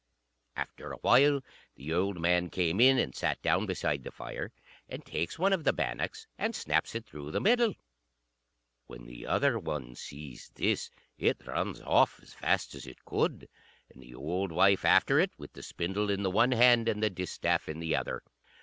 After a while, the old man came in, and sat down beside the fire, and takes one of the bannocks, and snaps it through the middle. When the other one sees this, it runs off as fast as it could, and the old wife after it, with the spindle in the one hand, and the distaff in the other.